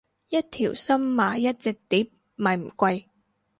一條心買一隻碟咪唔貴